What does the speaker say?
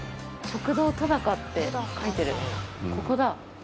「食堂とだか」って書いてるここだ。